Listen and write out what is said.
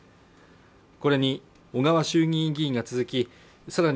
これに小川衆議院議員が続きさらに